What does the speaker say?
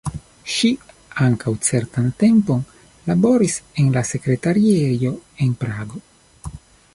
Ŝi ankaŭ certan tempon laboris en la sekretariejo en Prago.